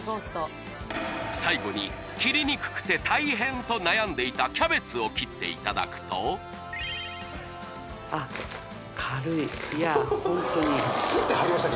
最後に切りにくくて大変と悩んでいたキャベツを切っていただくといやホントにスッて入りましたね